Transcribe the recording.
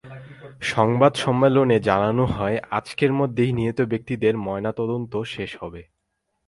সংবাদ সম্মেলনে জানানো হয়, আজকের মধ্যেই নিহত ব্যক্তিদের ময়নাতদন্ত শেষ হবে।